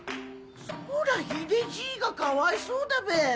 そら秀じいがかわいそうだべ。